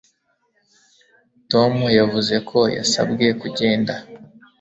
Tom yavuze ko yasabwe kugenda